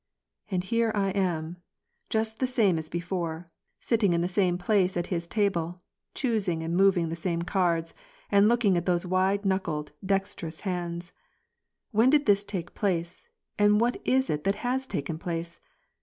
And here I am, just the same as before, sitting in the same place at his table, choosing and moving the same cards, and looking at those wide knuckled, dexterous hands. When did this take place, and what is it that has taken place?